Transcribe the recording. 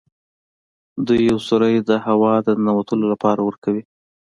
دوی یو سوری د هوا د ننوتلو لپاره ورکوي.